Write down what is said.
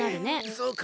そうか？